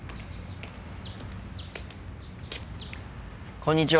こんにちは。